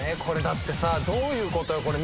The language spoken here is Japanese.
これだってさどういうことよ？